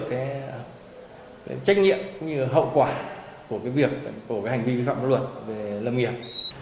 trách nhiệm cũng như hậu quả của hành vi vi phạm pháp luật về lâm nghiệp